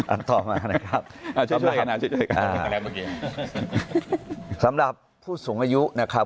ต่อมานะครับสำหรับผู้สูงอายุนะครับ